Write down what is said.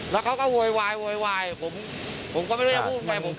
แล้วเค้าก็โวยวายโวยวายผมก็ไม่ได้พูดไง